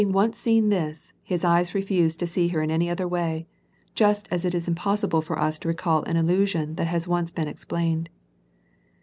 247 once seen this, his eyes refused to see her in any other way, just as it is impossible for us to recall an illusion that has once been explained.